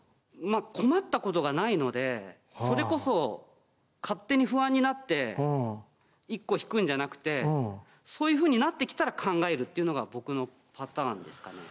まぁ困ったことがないのでそれこそ勝手に不安になって１個引くんじゃなくてそういうふうになってきたら考えるっていうのが僕のパターンですかね